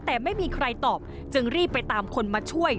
แต่ไม่มีใครตอบจึงรีบไปตามคนมาช่วย